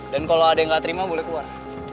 dan kalo ada yang gak terima boleh keluar